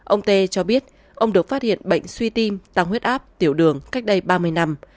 ông tê cho biết ông được phát hiện bệnh suy tim tăng huyết áp tiểu đường cách đây ba mươi năm